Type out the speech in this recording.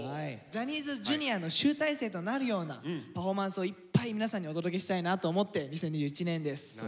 ジャニーズＪｒ．の集大成となるようなパフォーマンスをいっぱい皆さんにお届けしたいなと思って「２０２１」年です。